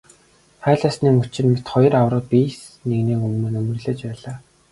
Хайлаасны мөчир мэт хоёр аварга биес нэгнээ нөмөрлөж байлаа.